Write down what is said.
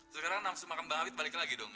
sekarang nafsu makan bang hafid balik lagi dong